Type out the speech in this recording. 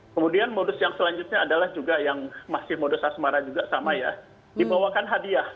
kemudian modus yang selanjutnya adalah juga yang masih modus asmara juga sama ya dibawakan hadiah